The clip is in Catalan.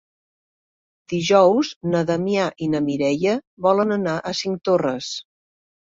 Dijous na Damià i na Mireia volen anar a Cinctorres.